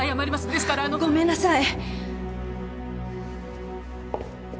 ですからあの。ごめんなさい。